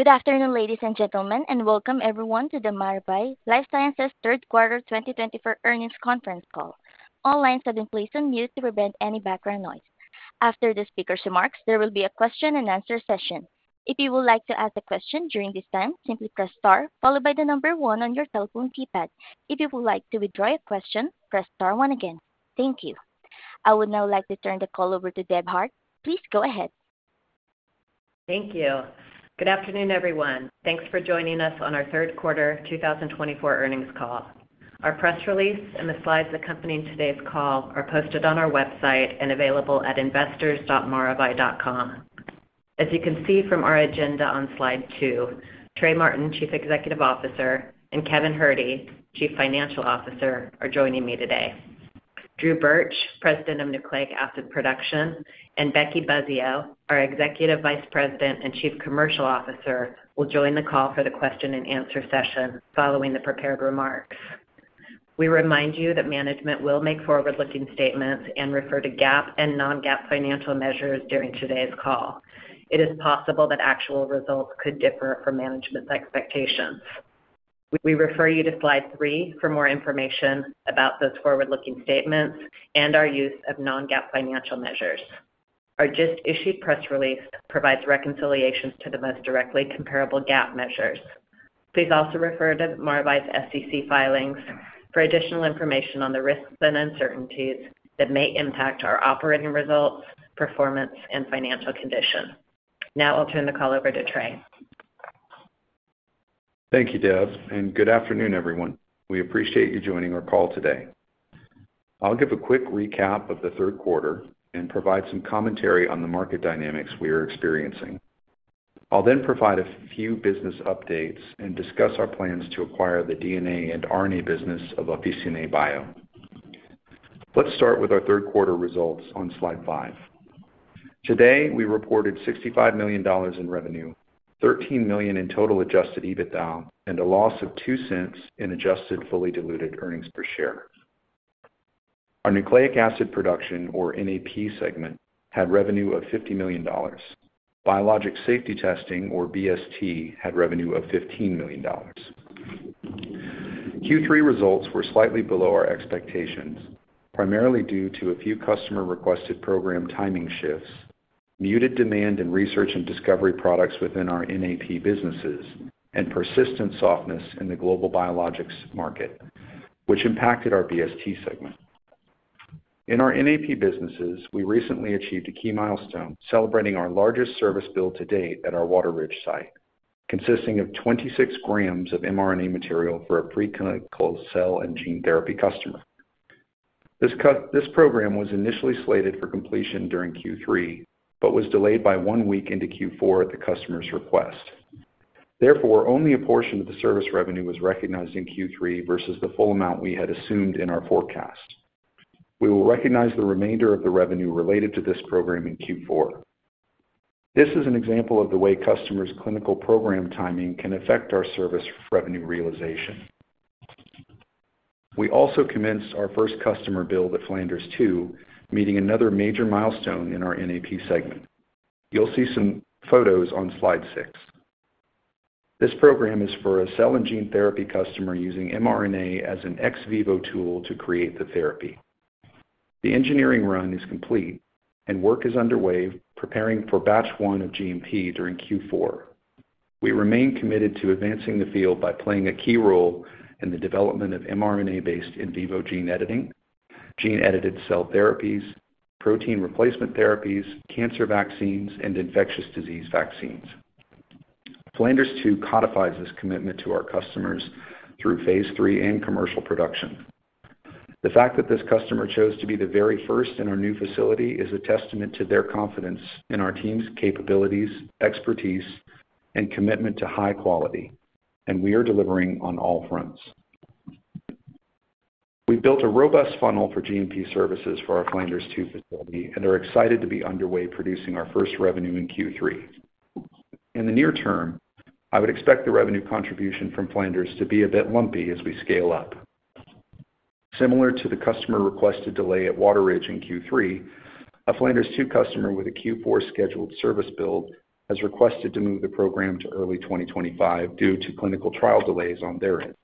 Good afternoon, ladies and gentlemen, and welcome everyone to the Maravai LifeSciences Q3 2024 Earnings Conference Call. All lines have been placed on mute to prevent any background noise. After the speaker's remarks, there will be a question-and-answer session. If you would like to ask a question during this time, simply press star followed by the number one on your telephone keypad. If you would like to withdraw a question, press star once again. Thank you. I would now like to turn the call over to Deb Hart. Please go ahead. Thank you. Good afternoon, everyone. Thanks for joining us on our Q3 2024 earnings call. Our press release and the slides accompanying today's call are posted on our website and available at investors.maravai.com. As you can see from our agenda on slide two, Trey Martin, Chief Executive Officer, and Kevin Herde, Chief Financial Officer, are joining me today. Drew Burch, President of Nucleic Acid Production, and Becky Buzzeo, our Executive Vice President and Chief Commercial Officer, will join the call for the question-and-answer session following the prepared remarks. We remind you that management will make forward-looking statements and refer to GAAP and non-GAAP financial measures during today's call. It is possible that actual results could differ from management's expectations. We refer you to slide three for more information about those forward-looking statements and our use of non-GAAP financial measures. Our just-issued press release provides reconciliations to the most directly comparable GAAP measures. Please also refer to Maravai's SEC filings for additional information on the risks and uncertainties that may impact our operating results, performance, and financial condition. Now, I'll turn the call over to Trey. Thank you, Deb, and good afternoon, everyone. We appreciate you joining our call today. I'll give a quick recap of the third quarter and provide some commentary on the market dynamics we are experiencing. I'll then provide a few business updates and discuss our plans to acquire the DNA and RNA business of Officinae Bio. Let's start with our third quarter results on slide five. Today, we reported $65 million in revenue, $13 million in total adjusted EBITDA, and a loss of $0.02 in adjusted fully diluted earnings per share. Our nucleic acid production, or NAP, segment had revenue of $50 million. Biologic safety testing, or BST, had revenue of $15 million. Q3 results were slightly below our expectations, primarily due to a few customer-requested program timing shifts, muted demand in research and discovery products within our NAP businesses, and persistent softness in the global biologics market, which impacted our BST segment. In our NAP businesses, we recently achieved a key milestone celebrating our largest service bill to date at our Waterridge site, consisting of 26 g of mRNA material for a preclinical cell and gene therapy customer. This program was initially slated for completion during Q3 but was delayed by one week into Q4 at the customer's request. Therefore, only a portion of the service revenue was recognized in Q3 versus the full amount we had assumed in our forecast. We will recognize the remainder of the revenue related to this program in Q4. This is an example of the way customers' clinical program timing can affect our service revenue realization. We also commenced our first customer build at Flanders 2, meeting another major milestone in our NAP segment. You'll see some photos on slide six. This program is for a cell and gene therapy customer using mRNA as an ex vivo tool to create the therapy. The engineering run is complete, and work is underway preparing for batch one of GMP during Q4. We remain committed to advancing the field by playing a key role in the development of mRNA-based in vivo gene editing, gene-edited cell therapies, protein replacement therapies, cancer vaccines, and infectious disease vaccines. Flanders 2 codifies this commitment to our customers through phase III and commercial production. The fact that this customer chose to be the very first in our new facility is a testament to their confidence in our team's capabilities, expertise, and commitment to high quality, and we are delivering on all fronts. We've built a robust funnel for GMP services for our Flanders 2 facility and are excited to be underway producing our first revenue in Q3. In the near term, I would expect the revenue contribution from Flanders to be a bit lumpy as we scale up. Similar to the customer requested delay at Waterridge in Q3, a Flanders 2 customer with a Q4 scheduled service build has requested to move the program to early 2025 due to clinical trial delays on their end.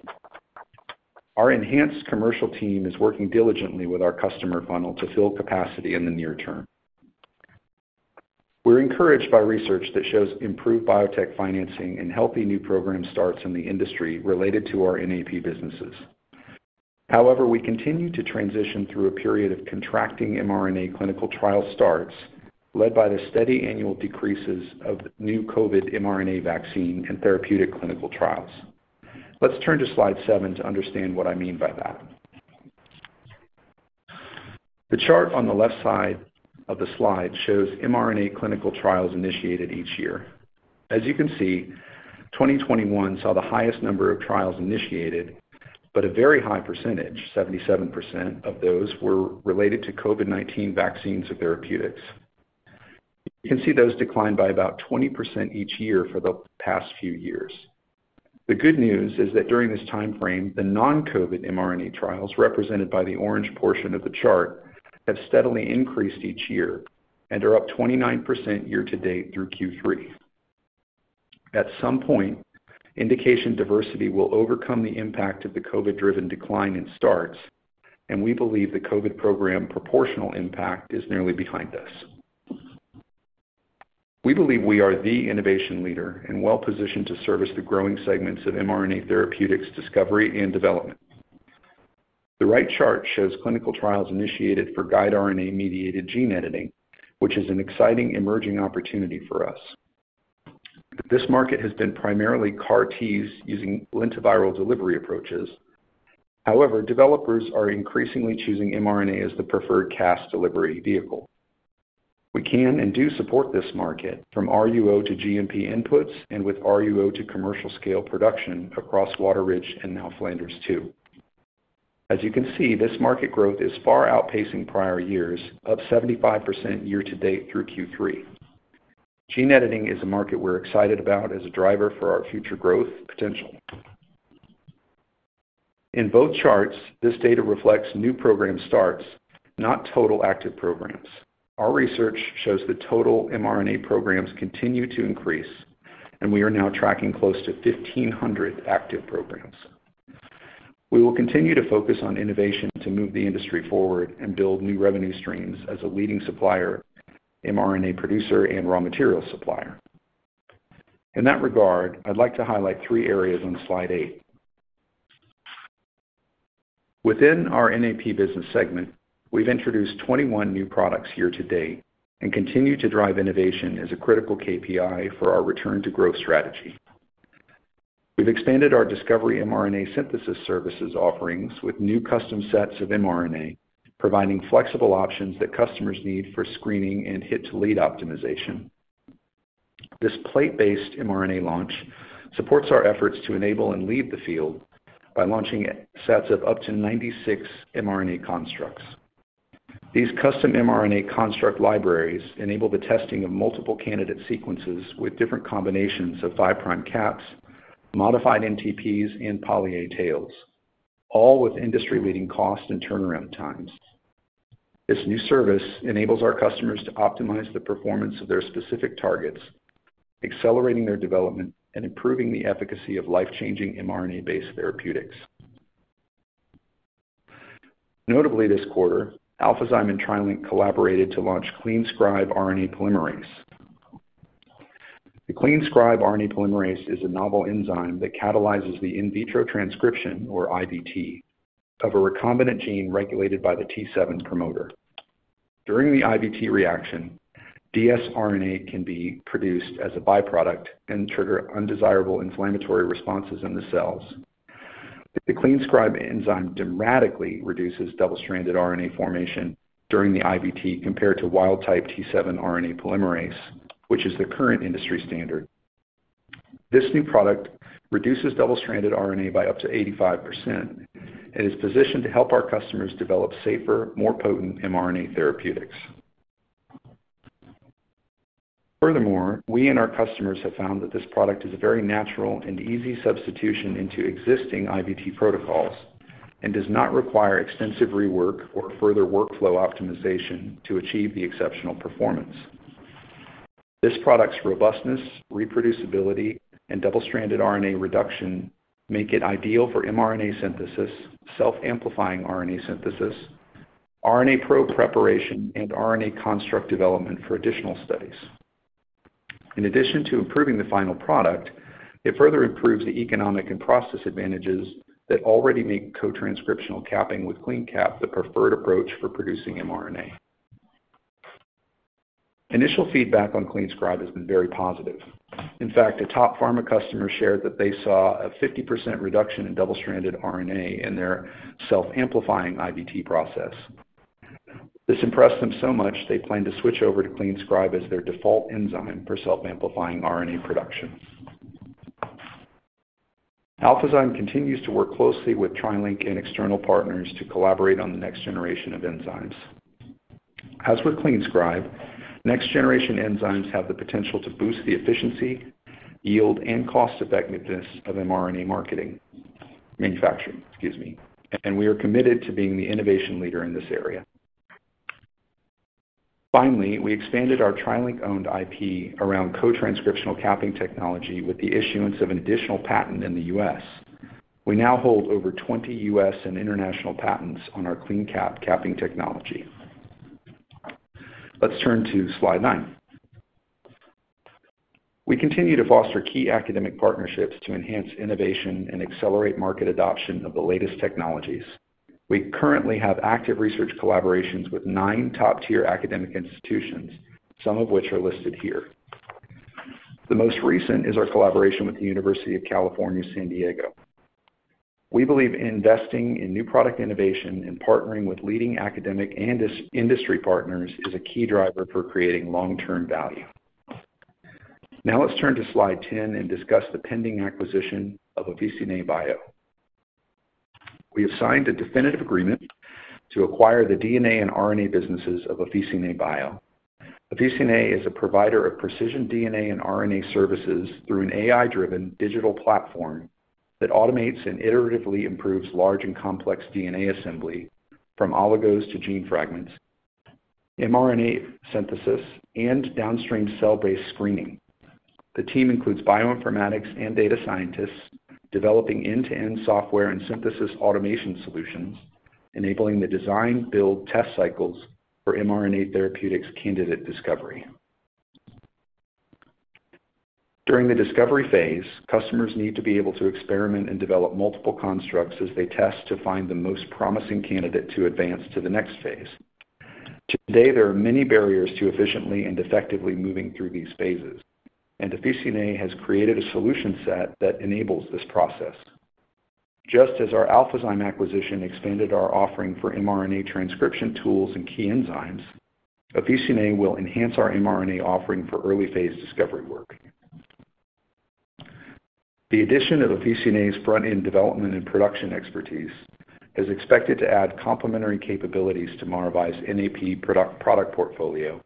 Our enhanced commercial team is working diligently with our customer funnel to fill capacity in the near term. We're encouraged by research that shows improved biotech financing and healthy new program starts in the industry related to our NAP businesses. However, we continue to transition through a period of contracting mRNA clinical trial starts led by the steady annual decreases of new COVID mRNA vaccine and therapeutic clinical trials. Let's turn to slide seven to understand what I mean by that. The chart on the left side of the slide shows mRNA clinical trials initiated each year. As you can see, 2021 saw the highest number of trials initiated, but a very high percentage, 77%, of those were related to COVID-19 vaccines or therapeutics. You can see those declined by about 20% each year for the past few years. The good news is that during this timeframe, the non-COVID mRNA trials represented by the orange portion of the chart have steadily increased each year and are up 29% year to date through Q3. At some point, indication diversity will overcome the impact of the COVID-driven decline in starts, and we believe the COVID program proportional impact is nearly behind us. We believe we are the innovation leader and well-positioned to service the growing segments of mRNA therapeutics discovery and development. The right chart shows clinical trials initiated for guide RNA-mediated gene editing, which is an exciting emerging opportunity for us. This market has been primarily CAR-Ts using lentiviral delivery approaches. However, developers are increasingly choosing mRNA as the preferred Cas delivery vehicle. We can and do support this market from RUO to GMP inputs and with RUO to commercial scale production across Waterridge and now Flanders 2. As you can see, this market growth is far outpacing prior years, up 75% year to date through Q3. Gene editing is a market we're excited about as a driver for our future growth potential. In both charts, this data reflects new program starts, not total active programs. Our research shows the total mRNA programs continue to increase, and we are now tracking close to 1,500 active programs. We will continue to focus on innovation to move the industry forward and build new revenue streams as a leading supplier, mRNA producer, and raw material supplier. In that regard, I'd like to highlight three areas on slide eight. Within our NAP business segment, we've introduced 21 new products year to date and continue to drive innovation as a critical KPI for our return-to-growth strategy. We've expanded our discovery mRNA synthesis services offerings with new custom sets of mRNA, providing flexible options that customers need for screening and hit-to-lead optimization. This plate-based mRNA launch supports our efforts to enable and lead the field by launching sets of up to 96 mRNA constructs. These custom mRNA construct libraries enable the testing of multiple candidate sequences with different combinations of five prime caps, modified NTPs, and poly-A tails, all with industry-leading cost and turnaround times. This new service enables our customers to optimize the performance of their specific targets, accelerating their development and improving the efficacy of life-changing mRNA-based therapeutics. Notably, this quarter, Alphazyme and TriLink collaborated to launch CleanScribe RNA Polymerase. The CleanScribe RNA Polymerase is a novel enzyme that catalyzes the in vitro transcription, or IVT, of a recombinant gene regulated by the T7 promoter. During the IVT reaction, dsRNA can be produced as a byproduct and trigger undesirable inflammatory responses in the cells. The CleanScribe enzyme dramatically reduces double-stranded RNA formation during the IVT compared to wild-type T7 RNA polymerase, which is the current industry standard. This new product reduces double-stranded RNA by up to 85% and is positioned to help our customers develop safer, more potent mRNA therapeutics. Furthermore, we and our customers have found that this product is a very natural and easy substitution into existing IVT protocols and does not require extensive rework or further workflow optimization to achieve the exceptional performance. This product's robustness, reproducibility, and double-stranded RNA reduction make it ideal for mRNA synthesis, self-amplifying RNA synthesis, RNA probe preparation, and RNA construct development for additional studies. In addition to improving the final product, it further improves the economic and process advantages that already make co-transcriptional capping with CleanCap the preferred approach for producing mRNA. Initial feedback on CleanScribe has been very positive. In fact, a top pharma customer shared that they saw a 50% reduction in double-stranded RNA in their self-amplifying IVT process. This impressed them so much they plan to switch over to CleanScribe as their default enzyme for self-amplifying RNA production. Alphazyme continues to work closely with TriLink and external partners to collaborate on the next generation of enzymes. As with CleanScribe, next-generation enzymes have the potential to boost the efficiency, yield, and cost-effectiveness of mRNA marketing manufacturing, excuse me, and we are committed to being the innovation leader in this area. Finally, we expanded our TriLink-owned IP around cotranscriptional capping technology with the issuance of an additional patent in the U.S. We now hold over 20 U.S. and international patents on our CleanCap capping technology. Let's turn to slide nine. We continue to foster key academic partnerships to enhance innovation and accelerate market adoption of the latest technologies. We currently have active research collaborations with nine top-tier academic institutions, some of which are listed here. The most recent is our collaboration with the University of California, San Diego. We believe investing in new product innovation and partnering with leading academic and industry partners is a key driver for creating long-term value. Now let's turn to slide 10 and discuss the pending acquisition of Officinae Bio. We have signed a definitive agreement to acquire the DNA and RNA businesses of Officinae Bio. Officinae is a provider of precision DNA and RNA services through an AI-driven digital platform that automates and iteratively improves large and complex DNA assembly from oligos to gene fragments, mRNA synthesis, and downstream cell-based screening. The team includes bioinformatics and data scientists developing end-to-end software and synthesis automation solutions, enabling the design, build, test cycles for mRNA therapeutics candidate discovery. During the discovery phase, customers need to be able to experiment and develop multiple constructs as they test to find the most promising candidate to advance to the next phase. Today, there are many barriers to efficiently and effectively moving through these phases, and Officinae has created a solution set that enables this process. Just as our Alphazyme acquisition expanded our offering for mRNA transcription tools and key enzymes, Officinae will enhance our mRNA offering for early-phase discovery work. The addition of Officinae's front-end development and production expertise is expected to add complementary capabilities to Maravai's NAP product portfolio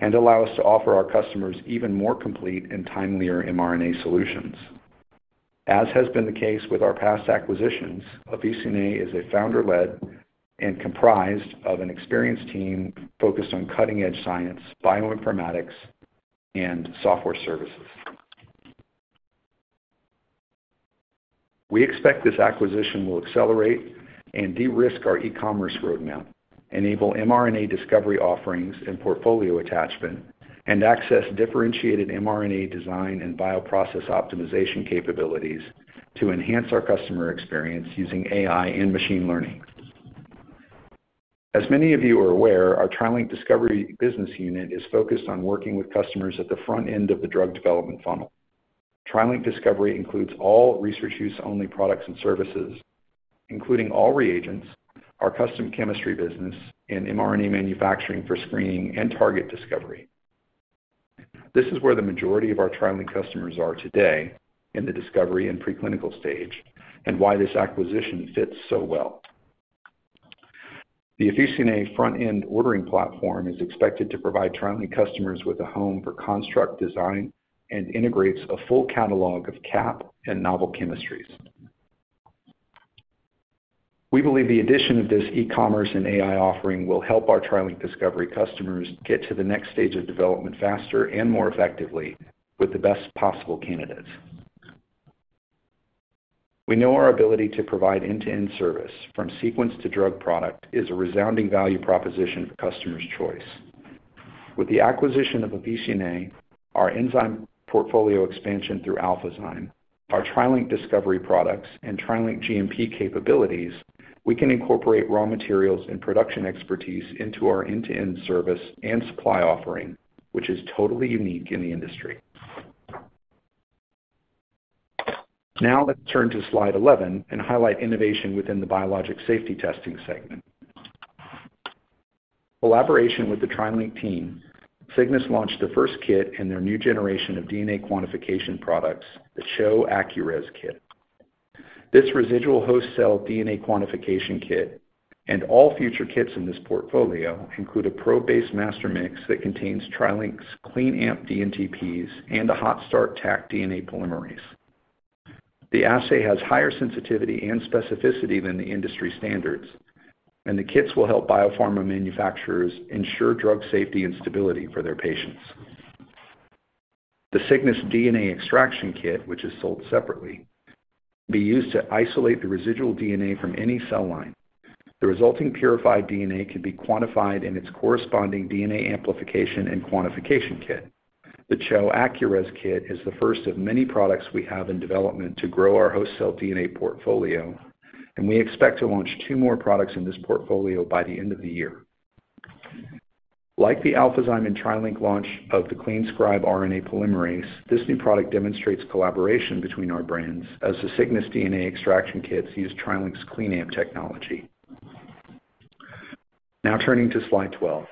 and allow us to offer our customers even more complete and timelier mRNA solutions. As has been the case with our past acquisitions, Officinae is founder-led and comprised of an experienced team focused on cutting-edge science, bioinformatics, and software services. We expect this acquisition will accelerate and de-risk our e-commerce roadmap, enable mRNA discovery offerings and portfolio attachment, and access differentiated mRNA design and bioprocess optimization capabilities to enhance our customer experience using AI and machine learning. As many of you are aware, our TriLink Discovery business unit is focused on working with customers at the front end of the drug development funnel. TriLink Discovery includes all research-use-only products and services, including all reagents, our custom chemistry business, and mRNA manufacturing for screening and target discovery. This is where the majority of our TriLink customers are today in the discovery and preclinical stage and why this acquisition fits so well. The Officinae front-end ordering platform is expected to provide TriLink customers with a home for construct design and integrates a full catalog of cap and novel chemistries. We believe the addition of this e-commerce and AI offering will help our TriLink Discovery customers get to the next stage of development faster and more effectively with the best possible candidates. We know our ability to provide end-to-end service, from sequence to drug product, is a resounding value proposition for customers' choice. With the acquisition of Officinae, our enzyme portfolio expansion through Alphazyme, our TriLink discovery products, and TriLink GMP capabilities, we can incorporate raw materials and production expertise into our end-to-end service and supply offering, which is totally unique in the industry. Now let's turn to slide 11 and highlight innovation within the biologic safety testing segment. In collaboration with the TriLink team, Cygnus launched the first kit in their new generation of DNA quantification products, the CHO AccuRes kit. This residual host cell DNA quantification kit and all future kits in this portfolio include a probe-based master mix that contains TriLink's CleanAmp dNTPs and a Hot Start Taq DNA Polymerase. The assay has higher sensitivity and specificity than the industry standards, and the kits will help biopharma manufacturers ensure drug safety and stability for their patients. The Cygnus DNA extraction kit, which is sold separately, can be used to isolate the residual DNA from any cell line. The resulting purified DNA can be quantified in its corresponding DNA amplification and quantification kit. The CHO AccuRes kit is the first of many products we have in development to grow our host cell DNA portfolio, and we expect to launch two more products in this portfolio by the end of the year. Like the Alphazyme and TriLink launch of the CleanScribe RNA Polymerase, this new product demonstrates collaboration between our brands as the Cygnus DNA extraction kits use TriLink's CleanAmp technology. Now turning to slide 12.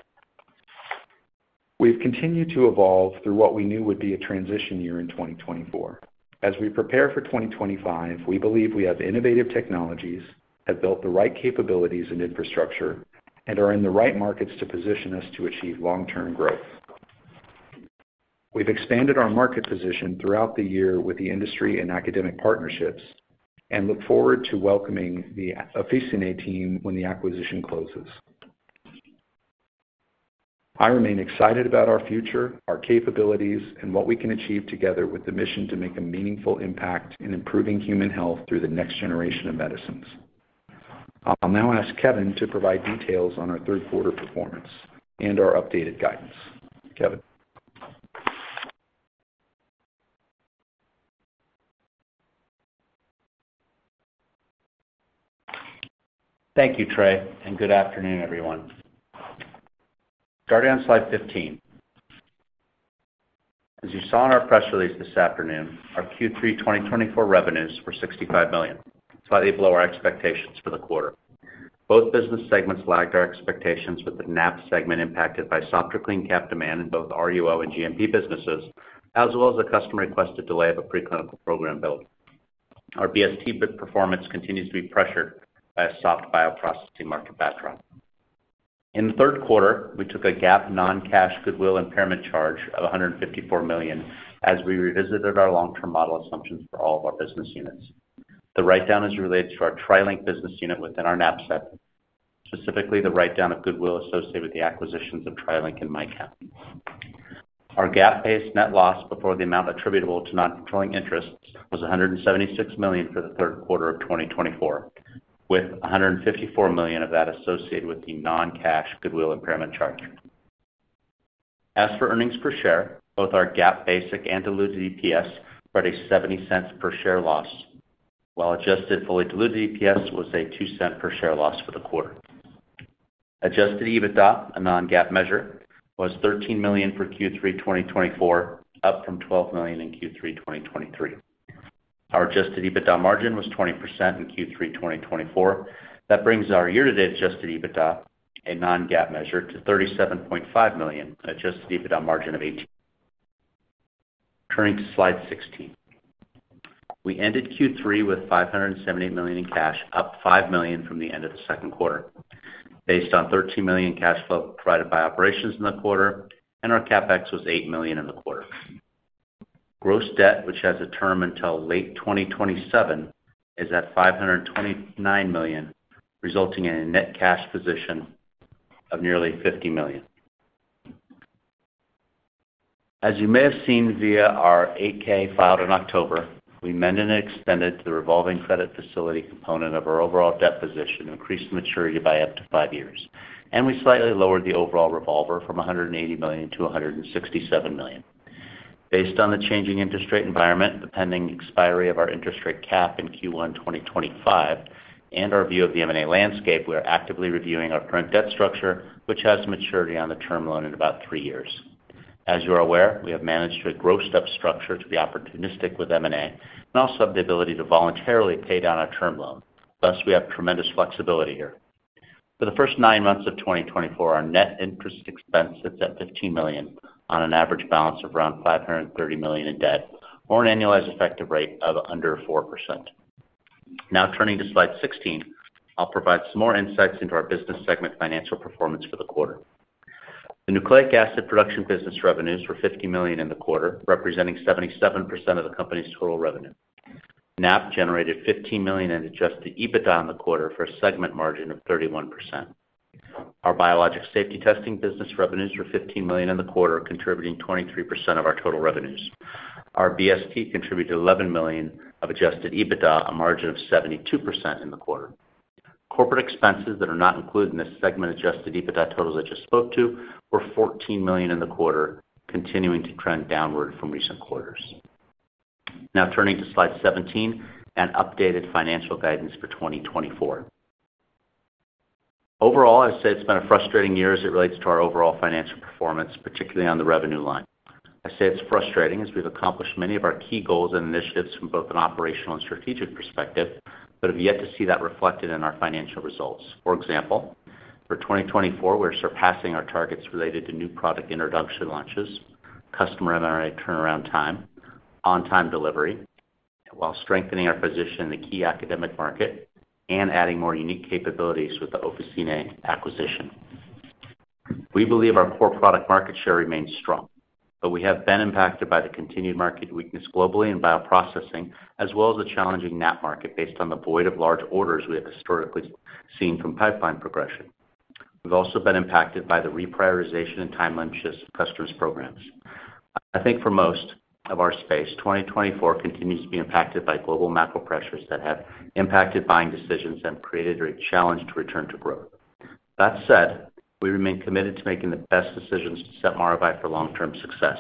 We've continued to evolve through what we knew would be a transition year in 2024. As we prepare for 2025, we believe we have innovative technologies, have built the right capabilities and infrastructure, and are in the right markets to position us to achieve long-term growth. We've expanded our market position throughout the year with the industry and academic partnerships and look forward to welcoming the Officinae team when the acquisition closes. I remain excited about our future, our capabilities, and what we can achieve together with the mission to make a meaningful impact in improving human health through the next generation of medicines. I'll now ask Kevin to provide details on our third-quarter performance and our updated guidance. Kevin. Thank you, Trey, and good afternoon, everyone. Turning to slide 15. As you saw in our press release this afternoon, our Q3 2024 revenues were $65 million, slightly below our expectations for the quarter. Both business segments lagged our expectations with the NAP segment impacted by softer CleanCap demand in both RUO and GMP businesses, as well as a customer-requested delay of a preclinical program build. Our BST performance continues to be pressured by a soft bioprocessing market backdrop. In the third quarter, we took a GAAP non-cash goodwill impairment charge of $154 million as we revisited our long-term model assumptions for all of our business units. The write-down is related to our TriLink business unit within our NAP set, specifically the write-down of goodwill associated with the acquisitions of TriLink and MyCap. Our GAAP-based net loss before the amount attributable to non-controlling interests was $176 million for the third quarter of 2024, with $154 million of that associated with the non-cash goodwill impairment charge. As for earnings per share, both our GAAP basic and diluted EPS were at a $0.70 per share loss, while adjusted fully diluted EPS was a $0.02 per share loss for the quarter. Adjusted EBITDA, a non-GAAP measure, was $13 million for Q3 2024, up from $12 million in Q3 2023. Our adjusted EBITDA margin was 20% in Q3 2024. That brings our year-to-date adjusted EBITDA, a non-GAAP measure, to $37.5 million, an adjusted EBITDA margin of 18%. Turning to slide 16. We ended Q3 with $578 million in cash, up $5 million from the end of the second quarter, based on $13 million in cash flow provided by operations in the quarter, and our CapEx was $8 million in the quarter. Gross debt, which has a term until late 2027, is at $529 million, resulting in a net cash position of nearly $50 million. As you may have seen via our 8-K filed in October, we amended and extended the revolving credit facility component of our overall debt position, increased maturity by up to five years, and we slightly lowered the overall revolver from $180 million-$167 million. Based on the changing interest rate environment, the pending expiry of our interest rate cap in Q1 2025, and our view of the M&A landscape, we are actively reviewing our current debt structure, which has maturity on the term loan in about three years. As you are aware, we have managed to gross up structure to be opportunistic with M&A and also have the ability to voluntarily pay down our term loan. Thus, we have tremendous flexibility here. For the first nine months of 2024, our net interest expense sits at $15 million on an average balance of around $530 million in debt or an annualized effective rate of under 4%. Now turning to slide 16, I'll provide some more insights into our business segment financial performance for the quarter. The nucleic acid production business revenues were $50 million in the quarter, representing 77% of the company's total revenue. NAP generated $15 million in Adjusted EBITDA in the quarter for a segment margin of 31%. Our Biologic Safety Testing business revenues were $15 million in the quarter, contributing 23% of our total revenues. Our BST contributed $11 million of Adjusted EBITDA, a margin of 72% in the quarter. Corporate expenses that are not included in this segment Adjusted EBITDA totals I just spoke to were $14 million in the quarter, continuing to trend downward from recent quarters. Now turning to slide 17 and updated financial guidance for 2024. Overall, I'd say it's been a frustrating year as it relates to our overall financial performance, particularly on the revenue line. I'd say it's frustrating as we've accomplished many of our key goals and initiatives from both an operational and strategic perspective, but have yet to see that reflected in our financial results. For example, for 2024, we're surpassing our targets related to new product introduction launches, customer mRNA turnaround time, on-time delivery, while strengthening our position in the key academic market and adding more unique capabilities with the Officinae acquisition. We believe our core product market share remains strong, but we have been impacted by the continued market weakness globally in bioprocessing, as well as the challenging NAP market based on the void of large orders we have historically seen from pipeline progression. We've also been impacted by the reprioritization and timeline shifts of customers' programs. I think for most of our space, 2024 continues to be impacted by global macro pressures that have impacted buying decisions and created a challenge to return to growth. That said, we remain committed to making the best decisions to set Maravai for long-term success.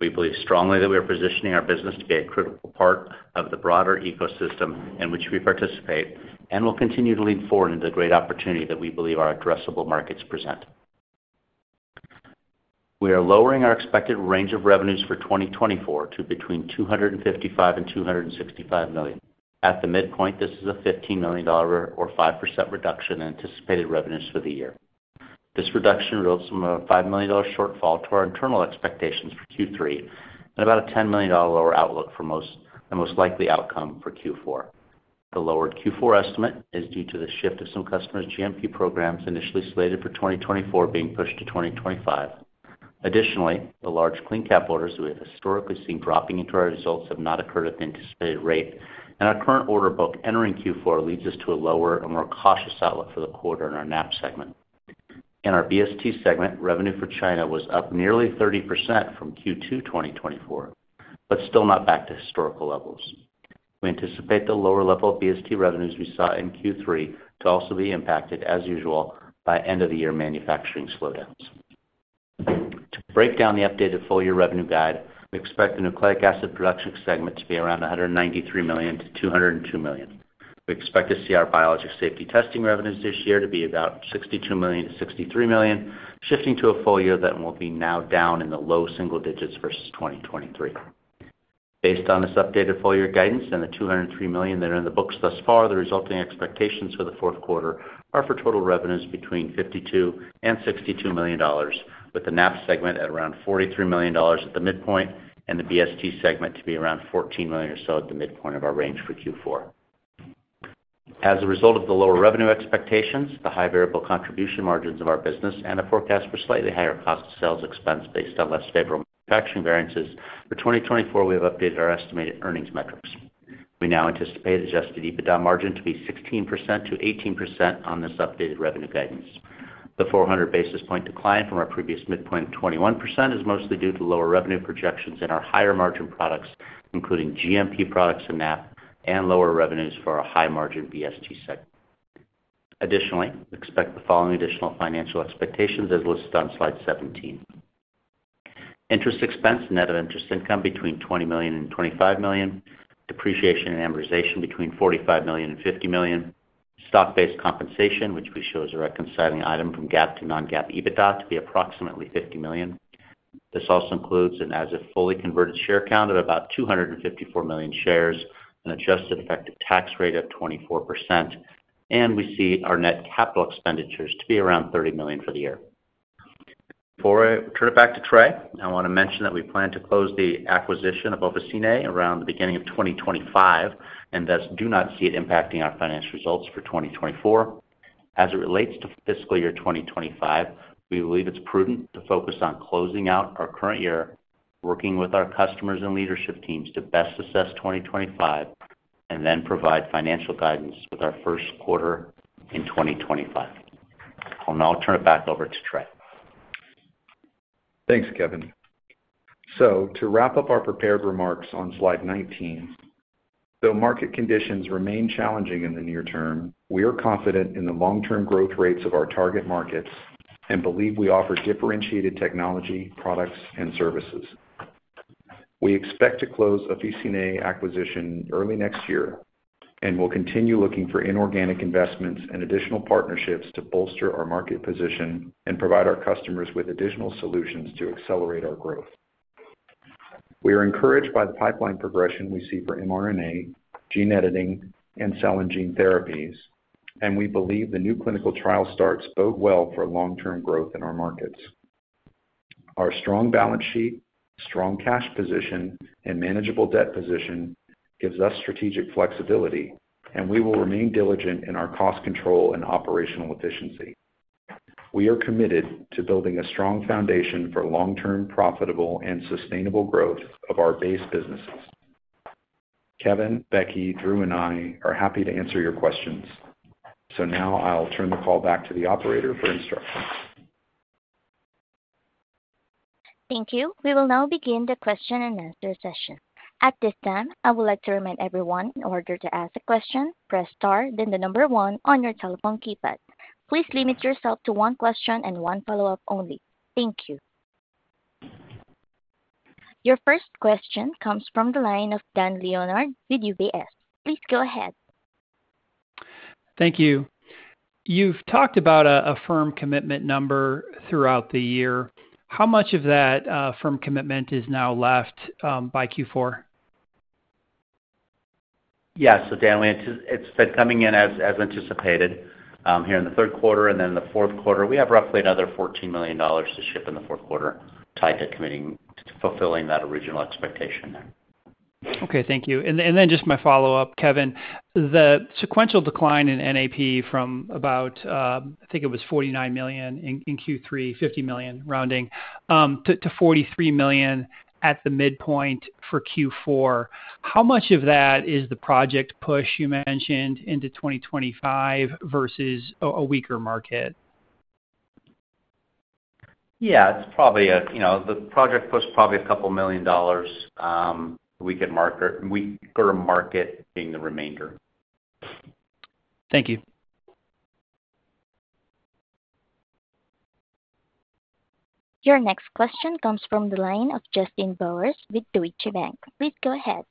We believe strongly that we are positioning our business to be a critical part of the broader ecosystem in which we participate and will continue to lean forward into the great opportunity that we believe our addressable markets present. We are lowering our expected range of revenues for 2024 to between $255 million and $265 million. At the midpoint, this is a $15 million or 5% reduction in anticipated revenues for the year. This reduction results from a $5 million shortfall to our internal expectations for Q3 and about a $10 million lower outlook for the most likely outcome for Q4. The lowered Q4 estimate is due to the shift of some customers' GMP programs initially slated for 2024 being pushed to 2025. Additionally, the large CleanCap orders we have historically seen dropping into our results have not occurred at the anticipated rate, and our current order book entering Q4 leads us to a lower and more cautious outlook for the quarter in our NAP segment. In our BST segment, revenue for China was up nearly 30% from Q2 2024, but still not back to historical levels. We anticipate the lower level of BST revenues we saw in Q3 to also be impacted, as usual, by end-of-the-year manufacturing slowdowns. To break down the updated full-year revenue guide, we expect the nucleic acid production segment to be around $193 million-$202 million. We expect to see our biologic safety testing revenues this year to be about $62 million-$63 million, shifting to a full year that will be now down in the low single digits versus 2023. Based on this updated full-year guidance and the $203 million that are in the books thus far, the resulting expectations for the fourth quarter are for total revenues between $52-$62 million, with the NAP segment at around $43 million at the midpoint and the BST segment to be around $14 million or so at the midpoint of our range for Q4. As a result of the lower revenue expectations, the high variable contribution margins of our business, and a forecast for slightly higher cost of sales expense based on less favorable manufacturing variances, for 2024, we have updated our estimated earnings metrics. We now anticipate Adjusted EBITDA margin to be 16%-18% on this updated revenue guidance. The 400 basis point decline from our previous midpoint of 21% is mostly due to lower revenue projections in our higher margin products, including GMP products and NAP, and lower revenues for our high margin BST segment. Additionally, we expect the following additional financial expectations as listed on slide 17: interest expense, net of interest income between $20 million and $25 million, depreciation and amortization between $45 million and $50 million, stock-based compensation, which we show as a reconciling item from GAAP to non-GAAP EBITDA to be approximately $50 million. This also includes an as-of-fully converted share count of about 254 million shares, an adjusted effective tax rate of 24%, and we see our net capital expenditures to be around $30 million for the year. Before I turn it back to Trey, I want to mention that we plan to close the acquisition of Officinae around the beginning of 2025 and thus do not see it impacting our financial results for 2024. As it relates to fiscal year 2025, we believe it's prudent to focus on closing out our current year, working with our customers and leadership teams to best assess 2025, and then provide financial guidance with our first quarter in 2025. I'll now turn it back over to Trey. Thanks, Kevin. So, to wrap up our prepared remarks on slide 19, though market conditions remain challenging in the near term, we are confident in the long-term growth rates of our target markets and believe we offer differentiated technology, products, and services. We expect to close Officinae acquisition early next year and will continue looking for inorganic investments and additional partnerships to bolster our market position and provide our customers with additional solutions to accelerate our growth. We are encouraged by the pipeline progression we see for mRNA, gene editing, and cell and gene therapies, and we believe the new clinical trial starts bode well for long-term growth in our markets. Our strong balance sheet, strong cash position, and manageable debt position gives us strategic flexibility, and we will remain diligent in our cost control and operational efficiency. We are committed to building a strong foundation for long-term, profitable, and sustainable growth of our base businesses. Kevin, Becky, Drew, and I are happy to answer your questions. So now I'll turn the call back to the operator for instructions. Thank you. We will now begin the question and answer session. At this time, I would like to remind everyone, in order to ask a question, press star, then the number one on your telephone keypad. Please limit yourself to one question and one follow-up only. Thank you. Your first question comes from the line of Dan Leonard with UBS. Please go ahead. Thank you. You've talked about a firm commitment number throughout the year. How much of that firm commitment is now left by Q4? Yeah, so Dan, it's been coming in as anticipated here in the third quarter, and then in the fourth quarter, we have roughly another $14 million to ship in the fourth quarter tied to fulfilling that original expectation there. Okay, thank you. And then just my follow-up, Kevin, the sequential decline in NAP from about, I think it was 49 million in Q3, 50 million rounding, to 43 million at the midpoint for Q4. How much of that is the project push you mentioned into 2025 versus a weaker market? Yeah, it's probably a, you know, the project push is probably $2 million, weaker market being the remainder. Thank you. Your next question comes from the line of Justin Bowers with Deutsche Bank. Please go ahead.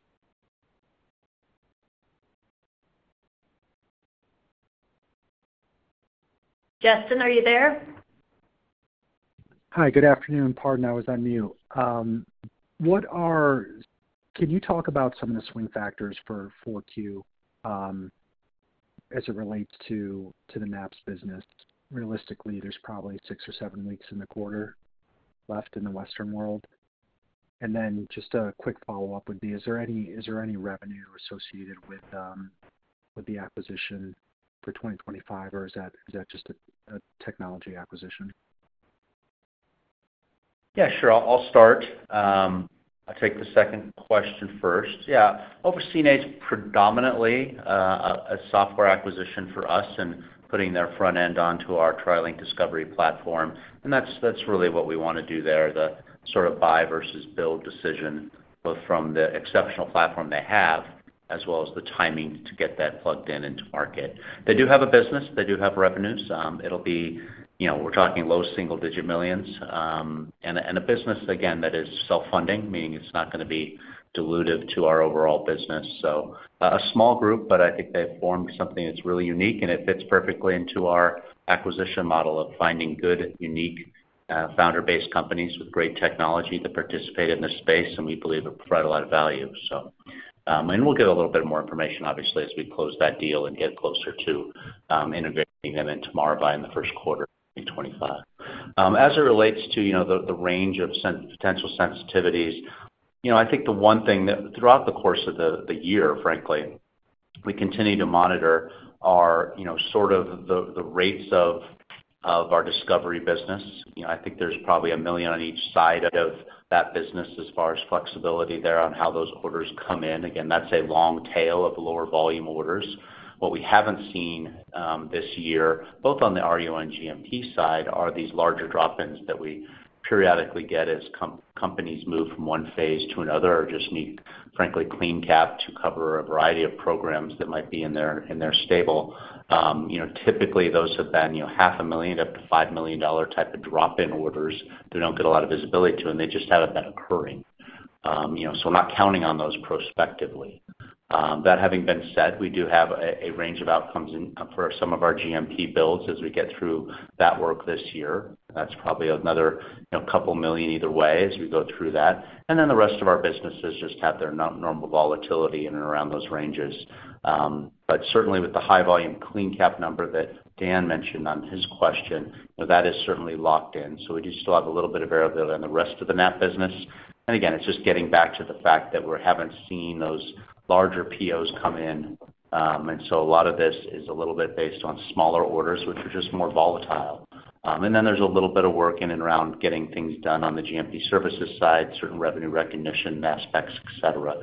Justin, are you there? Hi, good afternoon. Pardon, I was on mute. What are, can you talk about some of the swing factors for Q as it relates to the NAP's business? Realistically, there's probably six or seven weeks in the quarter left in the Western world. And then just a quick follow-up would be, is there any revenue associated with the acquisition for 2025, or is that just a technology acquisition? Yeah, sure. I'll start. I'll take the second question first. Yeah, Officinae is predominantly a software acquisition for us and putting their front end onto our TriLink Discovery platform, and that's really what we want to do there, the sort of buy versus build decision, both from the exceptional platform they have as well as the timing to get that plugged in into market. They do have a business. They do have revenues. It'll be, you know, we're talking $1-$9 million. And a business, again, that is self-funding, meaning it's not going to be dilutive to our overall business, so a small group, but I think they've formed something that's really unique, and it fits perfectly into our acquisition model of finding good, unique founder-based companies with great technology that participate in this space, and we believe it provides a lot of value. So, and we'll get a little bit more information, obviously, as we close that deal and get closer to integrating them into Maravai in the first quarter of 2025. As it relates to, you know, the range of potential sensitivities, you know, I think the one thing that throughout the course of the year, frankly, we continue to monitor our, you know, sort of the rates of our discovery business. You know, I think there's probably $1 million on each side of that business as far as flexibility there on how those orders come in. Again, that's a long tail of lower volume orders. What we haven't seen this year, both on the RU and GMP side, are these larger drop-ins that we periodically get as companies move from one phase to another or just need, frankly, CleanCap to cover a variety of programs that might be in their stable. You know, typically those have been, you know, $500,000 up to $5 million type of drop-in orders that don't get a lot of visibility to, and they just haven't been occurring. You know, so we're not counting on those prospectively. That having been said, we do have a range of outcomes for some of our GMP builds as we get through that work this year. That's probably another $2 million either way as we go through that. And then the rest of our businesses just have their normal volatility in and around those ranges. but certainly with the high volume CleanCap number that Dan mentioned on his question, that is certainly locked in. So we do still have a little bit of variability on the rest of the NAP business. And again, it's just getting back to the fact that we haven't seen those larger POs come in. And so a lot of this is a little bit based on smaller orders, which are just more volatile. And then there's a little bit of work in and around getting things done on the GMP services side, certain revenue recognition aspects, etc.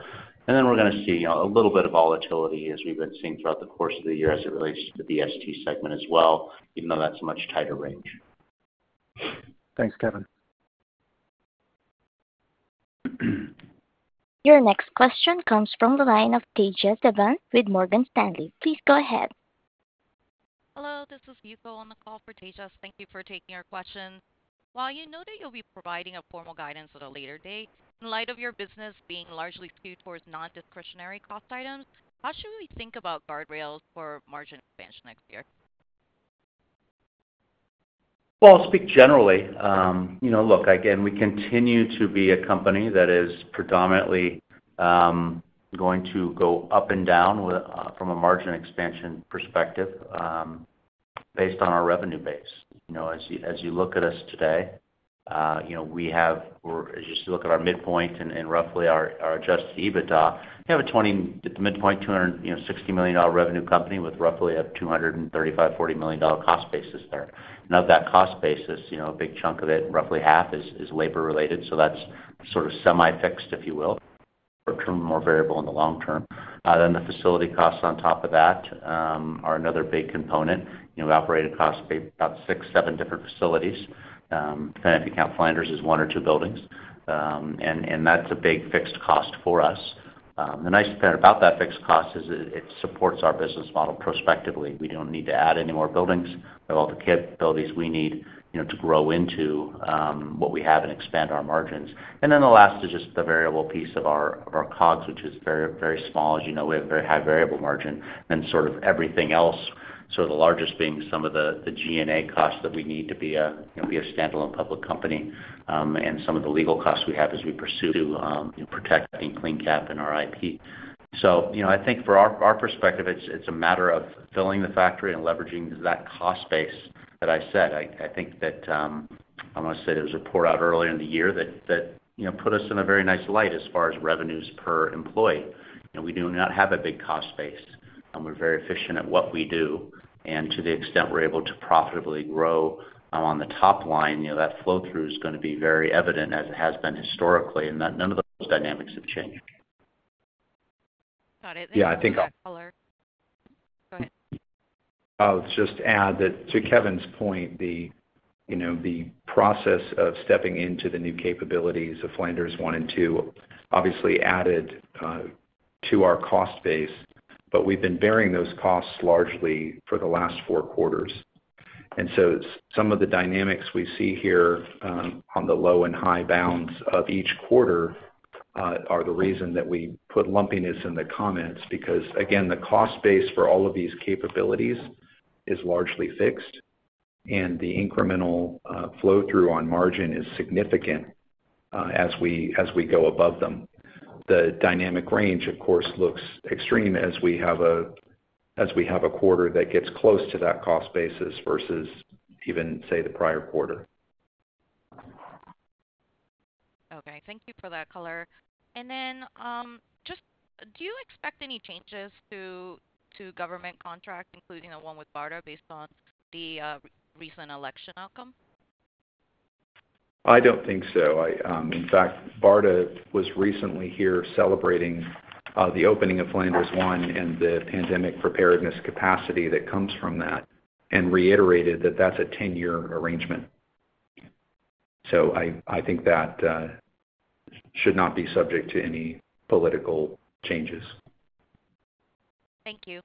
And then we're going to see a little bit of volatility as we've been seeing throughout the course of the year as it relates to the BST segment as well, even though that's a much tighter range. Thanks, Kevin. Your next question comes from the line of Tejas Savant with Morgan Stanley. Please go ahead. Hello, this is Yuko on the call for Tejas. Thank you for taking our question. While you know that you'll be providing a formal guidance at a later date, in light of your business being largely skewed towards non-discretionary cost items, how should we think about guardrails for margin expansion next year? Well, I'll speak generally. You know, look, again, we continue to be a company that is predominantly going to go up and down from a margin expansion perspective based on our revenue base. You know, as you look at us today, you know, we have, just look at our midpoint and roughly our adjusted EBITDA, we have a midpoint $260 million revenue company with roughly a $235-$240 million cost basis there. And of that cost basis, you know, a big chunk of it, roughly half is labor-related. So that's sort of semi-fixed, if you will, or more variable in the long term. Then the facility costs on top of that are another big component. You know, we operate across about six, seven different facilities. Kind of if you count Flanders, it's one or two buildings. And that's a big fixed cost for us. The nice thing about that fixed cost is it supports our business model prospectively. We don't need to add any more buildings. We have all the capabilities we need to grow into what we have and expand our margins. And then the last is just the variable piece of our COGS, which is very small. As you know, we have a very high variable margin and sort of everything else. So the largest being some of the G&A costs that we need to be a standalone public company. Some of the legal costs we have as we pursue protecting CleanCap in our IP. You know, I think from our perspective, it's a matter of filling the factory and leveraging that cost base that I said. I think that I want to say there was a report out earlier in the year that put us in a very nice light as far as revenues per employee. We do not have a big cost base. We're very efficient at what we do. And to the extent we're able to profitably grow on the top line, you know, that flow-through is going to be very evident as it has been historically. And none of those dynamics have changed. Got it. Yeah, I think I'll go ahead. I'll just add that to Kevin's point, the process of stepping into the new capabilities of Flanders 1 and 2 obviously added to our cost base, but we've been bearing those costs largely for the last four quarters. So some of the dynamics we see here on the low and high bounds of each quarter are the reason that we put lumpiness in the comments because, again, the cost base for all of these capabilities is largely fixed. The incremental flow-through on margin is significant as we go above them. The dynamic range, of course, looks extreme as we have a quarter that gets close to that cost basis versus even, say, the prior quarter. Okay, thank you for that, color. Then just, do you expect any changes to government contracts, including the one with BARDA based on the recent election outcome? I don't think so. In fact, BARDA was recently here celebrating the opening of Flanders 1 and the pandemic preparedness capacity that comes from that and reiterated that that's a 10-year arrangement. So I think that should not be subject to any political changes. Thank you.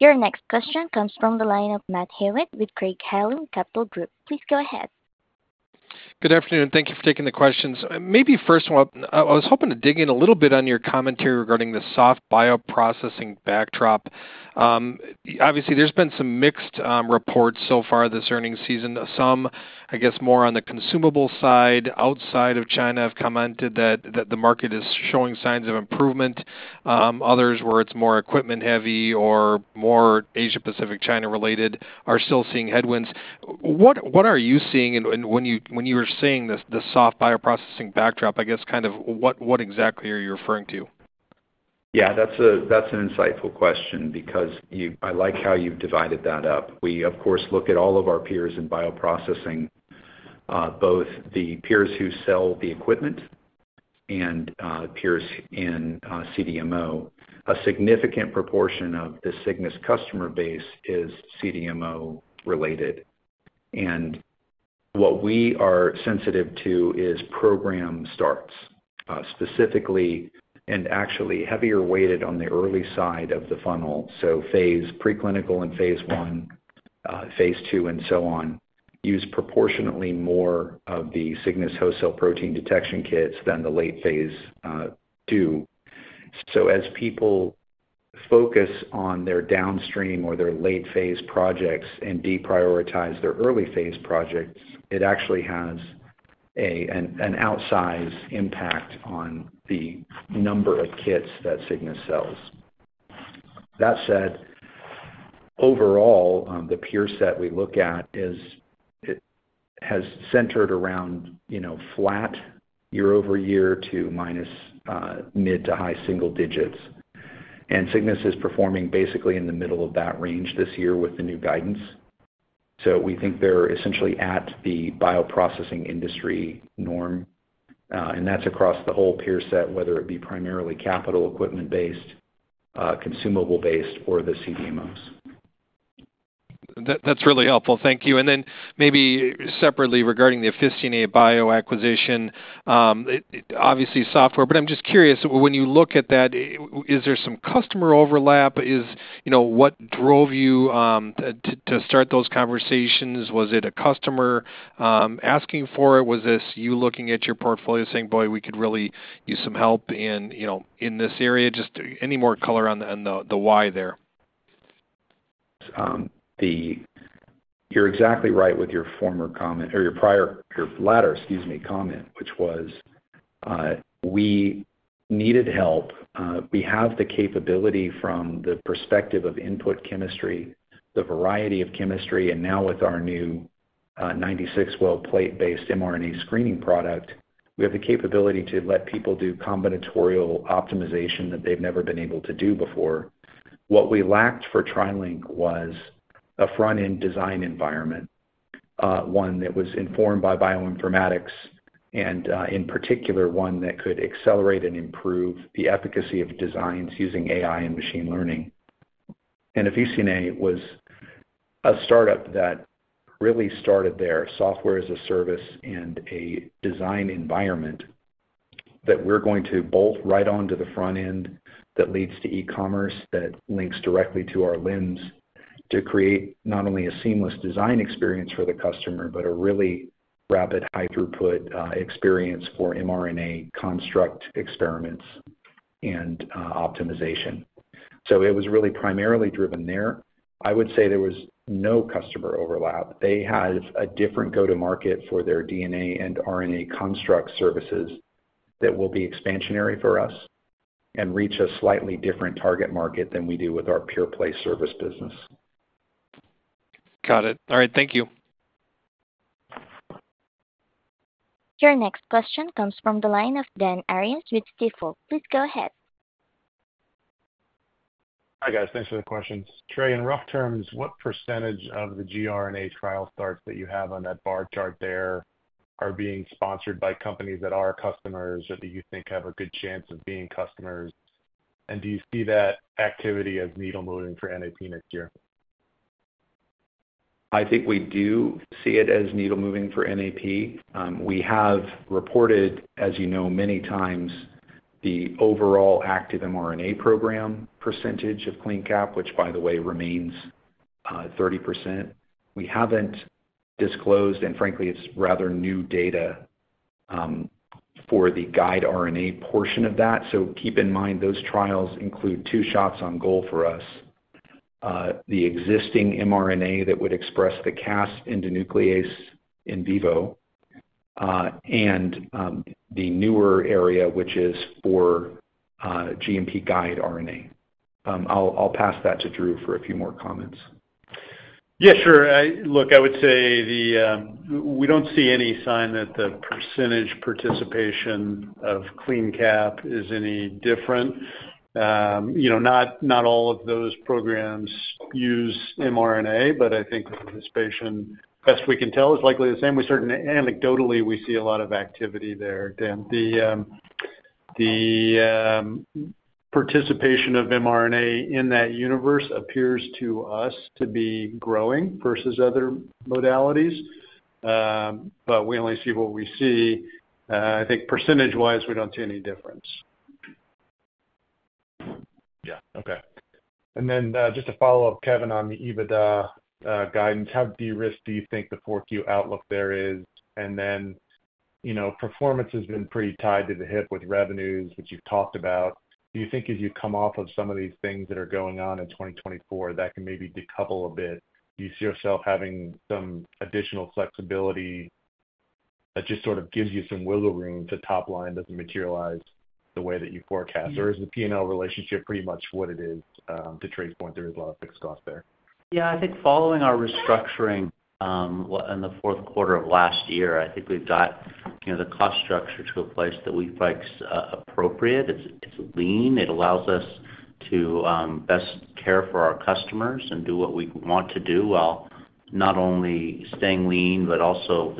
Your next question comes from the line of Matt Hewitt with Craig-Hallum Capital Group. Please go ahead. Good afternoon. Thank you for taking the questions. Maybe first of all, I was hoping to dig in a little bit on your commentary regarding the soft bioprocessing backdrop. Obviously, there's been some mixed reports so far this earnings season. Some, I guess, more on the consumable side. Outside of China, I've commented that the market is showing signs of improvement. Others, where it's more equipment-heavy or more Asia-Pacific China-related, are still seeing headwinds. What are you seeing? When you were saying the soft bioprocessing backdrop, I guess, kind of what exactly are you referring to? Yeah, that's an insightful question because I like how you've divided that up. We, of course, look at all of our peers in bioprocessing, both the peers who sell the equipment and peers in CDMO. A significant proportion of the Cygnus customer base is CDMO-related. And what we are sensitive to is program starts. Specifically, and actually heavier weighted on the early side of the funnel. So phase preclinical and phase I, phase II, and so on use proportionately more of the Cygnus host cell protein detection kits than the late phase II. So as people focus on their downstream or their late phase projects and deprioritize their early phase projects, it actually has an outsized impact on the number of kits that Cygnus sells. That said, overall, the peer set we look at has centered around flat year-over-year to minus mid to high single digits, and Cygnus is performing basically in the middle of that range this year with the new guidance, so we think they're essentially at the bioprocessing industry norm, and that's across the whole peer set, whether it be primarily capital equipment-based, consumable-based, or the CDMOs. That's really helpful. Thank you, and then maybe separately regarding the Officinae Bio acquisition, obviously software, but I'm just curious, when you look at that, is there some customer overlap? What drove you to start those conversations? Was it a customer asking for it? Was this you looking at your portfolio saying, "Boy, we could really use some help in this area"? Just any more color on the why there. You're exactly right with your former comment or your prior, your latter, excuse me, comment, which was we needed help. We have the capability from the perspective of input chemistry, the variety of chemistry, and now with our new 96-well plate-based mRNA screening product, we have the capability to let people do combinatorial optimization that they've never been able to do before. What we lacked for TriLink was a front-end design environment, one that was informed by bioinformatics, and in particular, one that could accelerate and improve the efficacy of designs using AI and machine learning. Officinae Bio was a startup that really started their software as a service and a design environment that we're going to bolt right onto the front end that leads to e-commerce that links directly to our labs to create not only a seamless design experience for the customer, but a really rapid high-throughput experience for mRNA construct experiments and optimization. So it was really primarily driven there. I would say there was no customer overlap. They have a different go-to-market for their DNA and RNA construct services that will be expansionary for us and reach a slightly different target market than we do with our pure-play service business. Got it. All right. Thank you. Your next question comes from the line of Dan Arias with Stifel. Please go ahead. Hi guys. Thanks for the questions. Trey, in rough terms, what percentage of the gRNA trial starts that you have on that bar chart there are being sponsored by companies that you think have a good chance of being customers? And do you see that activity as needle-moving for NAP next year? I think we do see it as needle-moving for NAP. We have reported, as you know, many times, the overall active mRNA program percentage of CleanCap, which, by the way, remains 30%. We haven't disclosed, and frankly, it's rather new data for the guide RNA portion of that. So keep in mind those trials include two shots on goal for us, the existing mRNA that would express the Cas endonuclease in vivo, and the newer area, which is for GMP guide RNA. I'll pass that to Drew for a few more comments. Yeah, sure. Look, I would say we don't see any sign that the percentage participation of CleanCap is any different. Not all of those programs use mRNA, but I think the participation, best we can tell, is likely the same. We certainly anecdotally see a lot of activity there. The participation of mRNA in that universe appears to us to be growing versus other modalities. But we only see what we see. I think percentage-wise, we don't see any difference. Yeah. Okay. And then just to follow up, Kevin, on the EBITDA guidance, how de-risked do you think the forward outlook there is? And then performance has been pretty tied to the hip with revenues, which you've talked about. Do you think as you come off of some of these things that are going on in 2024 that can maybe decouple a bit? Do you see yourself having some additional flexibility that just sort of gives you some wiggle room to top line doesn't materialize the way that you forecast? Or is the P&L relationship pretty much what it is to TracePoint? There is a lot of fixed cost there. Yeah, I think following our restructuring in the fourth quarter of last year, I think we've got the cost structure to a place that we feel like is appropriate. It's lean. It allows us to best care for our customers and do what we want to do while not only staying lean, but also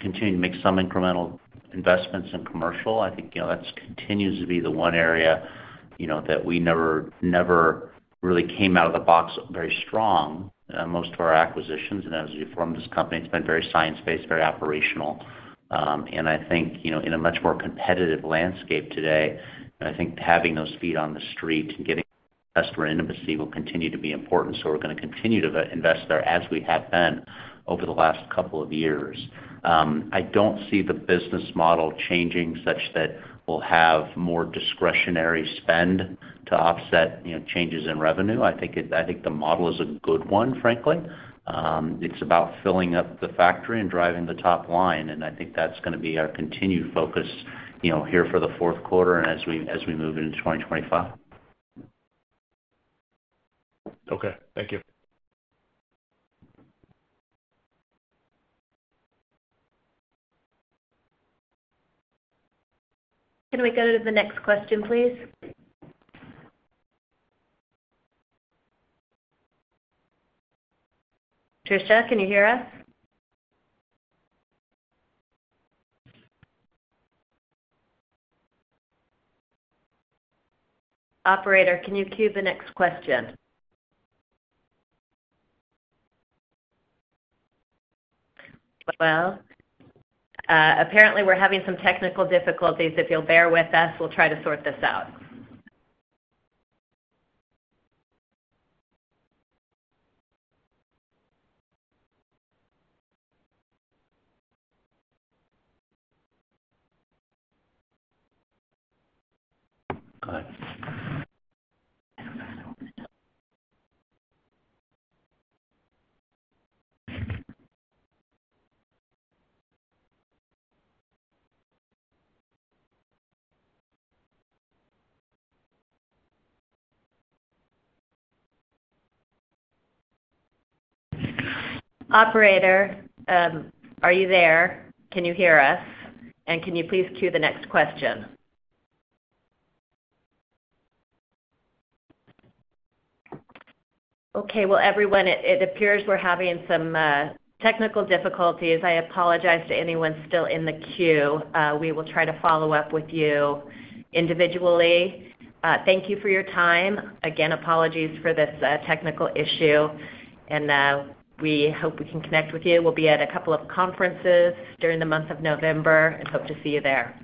continuing to make some incremental investments in commercial. I think that continues to be the one area that we never really came out of the box very strong. Most of our acquisitions and as we formed this company, it's been very science-based, very operational. And I think in a much more competitive landscape today, I think having those feet on the street and getting customer intimacy will continue to be important. So we're going to continue to invest there as we have been over the last couple of years. I don't see the business model changing such that we'll have more discretionary spend to offset changes in revenue. I think the model is a good one, frankly. It's about filling up the factory and driving the top line. And I think that's going to be our continued focus here for the fourth quarter and as we move into 2025. Okay. Thank you. Can we go to the next question, please? Trisha, can you hear us? Operator, can you cue the next question? Well, apparently we're having some technical difficulties. If you'll bear with us, we'll try to sort this out. Operator, are you there? Can you hear us? And can you please cue the next question? Okay. Well, everyone, it appears we're having some technical difficulties. I apologize to anyone still in the queue. We will try to follow up with you individually. Thank you for your time. Again, apologies for this technical issue. And we hope we can connect with you. We'll be at a couple of conferences during the month of November and hope to see you there.